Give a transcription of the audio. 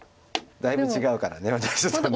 だいぶ違うから私だと。